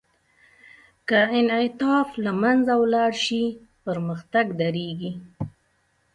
که انعطاف له منځه ولاړ شي، پرمختګ درېږي.